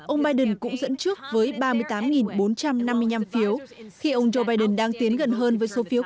ông biden cũng dẫn trước với ba mươi tám bốn trăm năm mươi năm phiếu khi ông joe biden đang tiến gần hơn với số phiếu